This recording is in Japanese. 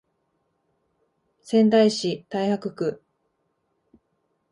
仙台市太白区